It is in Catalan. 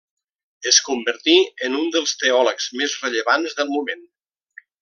Es convertí en un dels teòlegs més rellevants del moment.